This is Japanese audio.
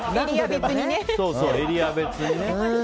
エリア別にね。